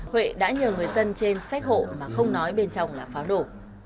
huệ đã nhờ người dân trên sách hộ mà không nói bên trong là pháo nổ